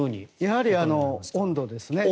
やはり温度ですね。